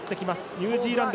ニュージーランド